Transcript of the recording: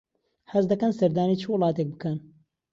حەز دەکەن سەردانی چ وڵاتێک بکەن؟